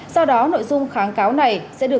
sau đó nội dung kháng cáo này sẽ được